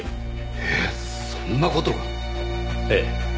えっそんな事が？ええ。